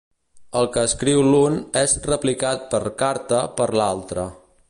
El que escriu l'un és replicat per carta per l'altre.